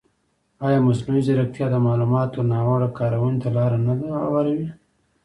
ایا مصنوعي ځیرکتیا د معلوماتو ناوړه کارونې ته لاره نه هواروي؟